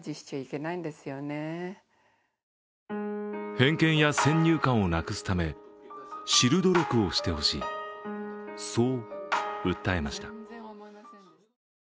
偏見や先入観をなくすため、知る努力をしてほしい、そう訴えました。